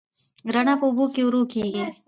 رڼا په اوبو کې ورو کېږي.